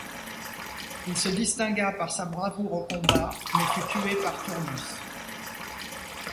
Il se distingua par sa bravoure au combat, mais fut tué par Turnus.